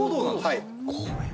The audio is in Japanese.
はい。